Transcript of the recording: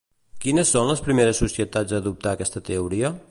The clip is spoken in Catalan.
Quines són les primeres societats a adoptar aquesta teoria?